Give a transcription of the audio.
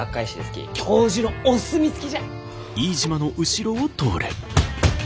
教授のお墨付き！？